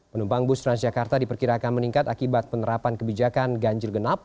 penumpang bus transjakarta diperkirakan meningkat akibat penerapan kebijakan ganjil genap